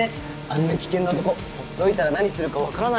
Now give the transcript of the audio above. あんな危険な男ほっといたら何するかわからないですもん。